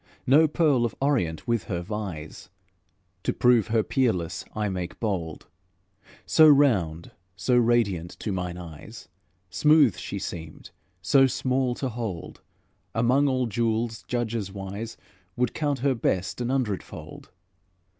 No pearl of Orient with her vies; To prove her peerless I make bold: So round, so radiant to mine eyes, smooth she seemed, so small to hold, Among all jewels judges wise Would count her best an hundred fold.